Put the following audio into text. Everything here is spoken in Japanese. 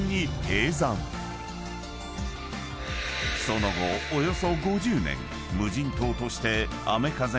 ［その後およそ５０年無人島として雨・風にさらされ続け